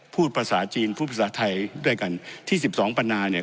พูดภาษาจีนพูดภาษาไทยด้วยกันที่๑๒ปัญหาเนี่ย